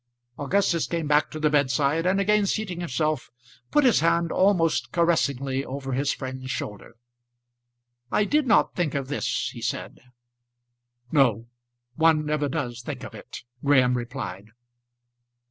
Augustus came back to the bedside, and again seating himself, put his hand almost caressingly over his friend's shoulder. "I did not think of this," he said. "No; one never does think of it," Graham replied.